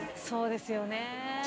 そうですよね。